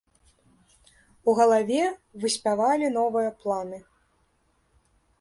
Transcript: У галаве выспявалі новыя планы.